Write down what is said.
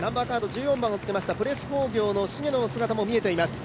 １４番をつけましたプレス工業の滋野の姿も見えています。